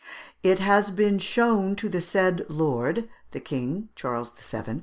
"It has been shown to the said lord" (the King Charles VII.)